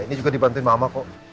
ini juga dibantuin mama kok